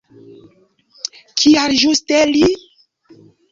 Kial ĝuste li?